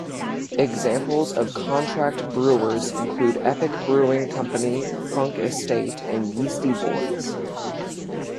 Examples of contract brewers include Epic Brewing Company, Funk Estate and Yeastie Boys.